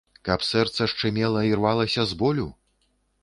Каб сэрца шчымела і рвалася з болю?